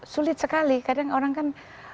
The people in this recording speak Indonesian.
sulit sekali kadang orang kan